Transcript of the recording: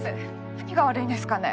何が悪いんですかね